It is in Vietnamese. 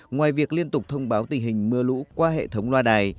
ngoài việc liên tục thông báo tình hình mưa lũ qua hệ thống loa đài